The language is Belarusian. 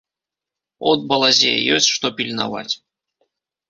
От, балазе, ёсць што пільнаваць.